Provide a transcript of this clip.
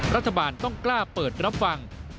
รัฐบาลต้องกล้าเปิดรับฟัง